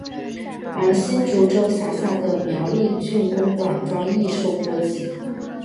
而新竹州辖下的苗栗郡公馆庄亦受波及。